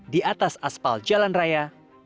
di atas aspal jalan raya